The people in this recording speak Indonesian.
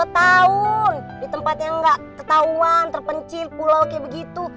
dua tahun di tempat yang gak ketahuan terpencil pulau kayak begitu